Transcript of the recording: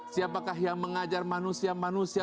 siapakah yang mengajar manusia manusia